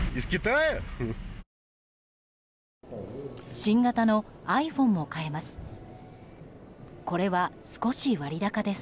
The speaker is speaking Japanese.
新型のｉＰｈｏｎｅも買えます。